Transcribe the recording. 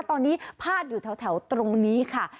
ตอนนี้พาดอยู่แถวตรงนี้ค่ะ